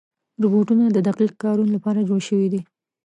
روبوټونه د دقیق کارونو لپاره جوړ شوي دي.